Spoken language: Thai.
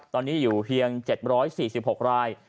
ตอนนี้อยู่เพียง๗๔๖ราย